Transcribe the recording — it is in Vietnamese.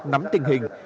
nắm tình hình